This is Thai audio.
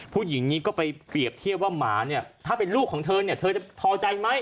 ผู้หญิงนี้ก็ไปเปรียบเทียบว่าหมาเนี่ยถ้าเป็นลูกของเธอเนี่ยเธอจะพอใจไหม